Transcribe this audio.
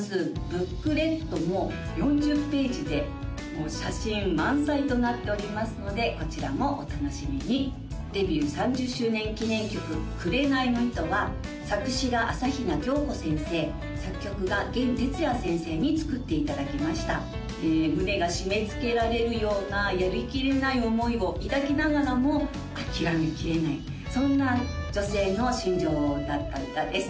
ブックレットも４０ページで写真満載となっておりますのでこちらもお楽しみにデビュー３０周年記念曲「くれないの糸」は作詞が朝比奈京仔先生作曲が弦哲也先生に作っていただきました胸が締めつけられるようなやりきれない思いを抱きながらも諦めきれないそんな女性の心情を歌った歌です